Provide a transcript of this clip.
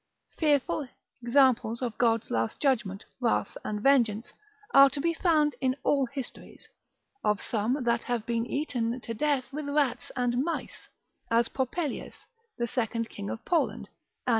Fearful examples of God's just judgment, wrath and vengeance, are to be found in all histories, of some that have been eaten to death with rats and mice, as Popelius, the second King of Poland, ann.